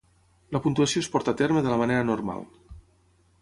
La puntuació es porta a terme de la manera normal.